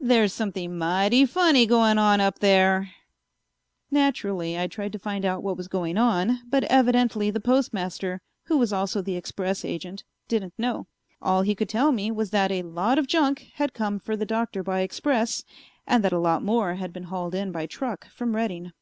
There's something mighty funny going on up there." Naturally I tried to find out what was going on but evidently the Postmaster, who was also the express agent, didn't know. All he could tell me was that a "lot of junk" had come for the Doctor by express and that a lot more had been hauled in by truck from Redding.